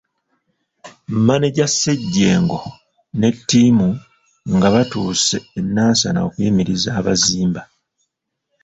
Mmaneja Ssejjengo ne ttiimu nga batuuse e Nansana okuyimiriza abazimba.